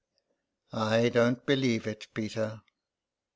''" I don't believe it, Peter."